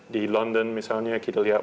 di london misalnya kita lihat